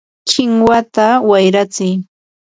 ¡kinwata wayratsiy!